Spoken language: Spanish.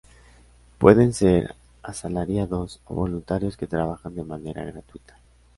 Pueden ser asalariados o voluntarios que trabajan de manera gratuita.